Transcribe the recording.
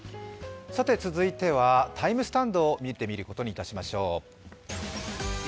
続いてはＴＩＭＥスタンドを見てみることにいたしましょう。